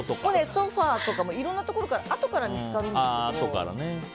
ソファとかいろんなところからあとから見つかるんですけど。